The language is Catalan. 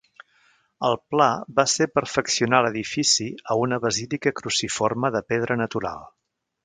El pla va ser perfeccionar l'edifici a una basílica cruciforme de pedra natural.